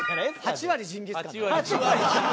８割ジンギスカン。